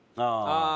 ああ。